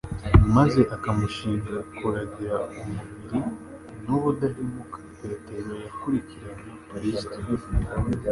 maze akamushinga kuragira umukurubi, n'ubudahemuka Petero yakurikiranye Kristo,